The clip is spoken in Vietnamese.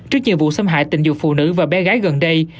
trước nhiều vụ xâm hại tình dục phụ nữ và bé gái gần đây